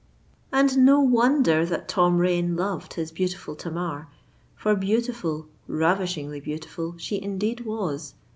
And no wonder that Tom Rain loved his beautiful Tamar; for beautiful—ravishingly beautiful she indeed was!